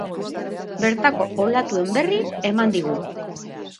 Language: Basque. Bertako olatuen berri eman digu.